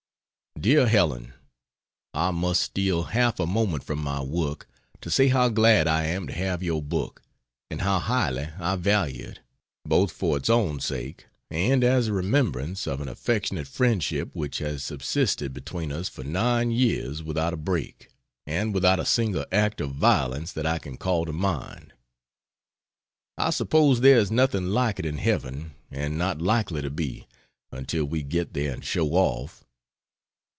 DEAR HELEN, I must steal half a moment from my work to say how glad I am to have your book, and how highly I value it, both for its own sake and as a remembrances of an affectionate friendship which has subsisted between us for nine years without a break, and without a single act of violence that I can call to mind. I suppose there is nothing like it in heaven; and not likely to be, until we get there and show off.